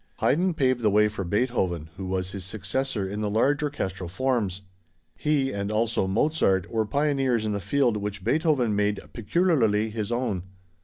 Haydn paved the way for Beethoven, who was his successor in the large orchestral forms. He and also Mozart were pioneers in the field which Beethoven made peculiarly his own.